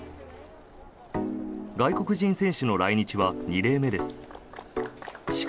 外国人選手の来日は２例目です。